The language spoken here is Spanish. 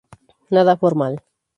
Nada formal.